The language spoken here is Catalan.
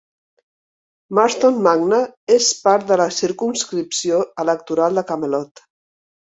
Marston Magna és part de la circumscripció electoral de Camelot.